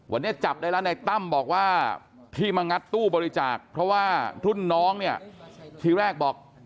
วันนี้จับได้แล้วในตั้มบอกว่าที่มางัดตู้บริจาคเพราะว่ารุ่นน้องเนี่ยทีแรกบอก